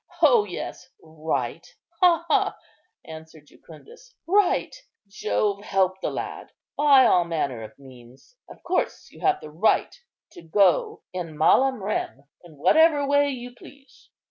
O yes, right! ha, ha!" answered Jucundus, "right! Jove help the lad! by all manner of means. Of course, you have a right to go in malam rem in whatever way you please."